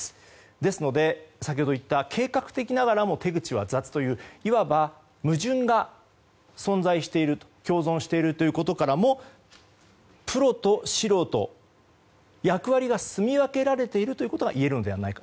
ですので、先ほど言った計画的ながらも手口は雑といういわば矛盾が存在している共存していることからもプロと素人、役割がすみ分けられているといえるのではないかと。